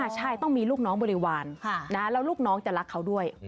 ใช่ต้องมีลูกน้องบริวารแล้วลูกน้องจะรักเขาด้วย